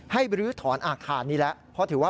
ให้รื้อถอนอาคารนี้แหละ